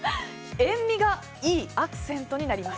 塩みがいいアクセントになります。